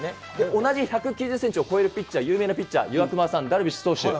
同じ１９０センチを超えるピッチャー、有名なピッチャー、岩隈さん、ダルビッシュ投手。